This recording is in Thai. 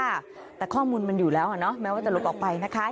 แต่ข้อมูลมันอยู่แล้วอ่ะเนาะแม้ว่าจะหลุดออกไปนะคะ